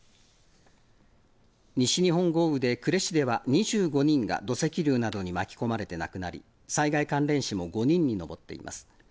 西日本豪雨で、呉市では２５人が土石流などに巻き込まれて亡くなり災害関連死も５人に上っています。